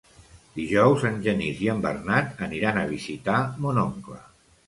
Dijous en Genís i en Bernat aniran a visitar mon oncle.